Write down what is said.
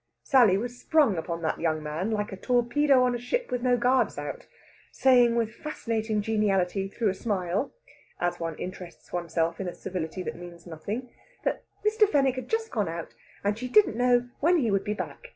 Sally was sprung upon that young man like a torpedo on a ship with no guards out, saying with fascinating geniality through a smile (as one interests oneself in a civility that means nothing) that Mr. Fenwick had just gone out, and she didn't know when he would be back.